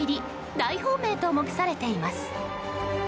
大本命と目されています。